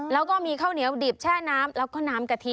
แล้วก็มีข้าวเหนียวดิบแช่น้ำแล้วก็น้ำกะทิ